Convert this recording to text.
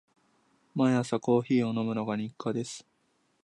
毎朝コーヒーを飲むのが日課です。